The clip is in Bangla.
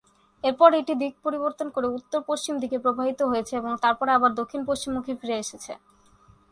এরপর এটি দিক পরিবর্তন করে উত্তর-পশ্চিম দিকে প্রবাহিত হয়েছে এবং তারপরে আবার দক্ষিণ-পশ্চিম মুখে ফিরে এসেছে।